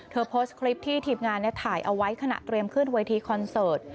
โพสต์คลิปที่ทีมงานถ่ายเอาไว้ขณะเตรียมขึ้นเวทีคอนเสิร์ต